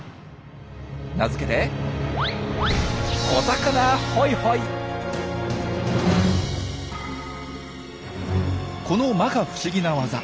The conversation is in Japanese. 名付けてこのまか不思議なワザ。